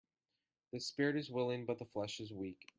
The spirit is willing but the flesh is weak.